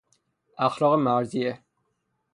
اخلاق مرضیه